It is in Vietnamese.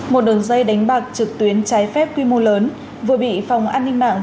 một đường dây đánh bạc trực tuyến trái phép quy mô lớn vừa bị phòng an ninh mạng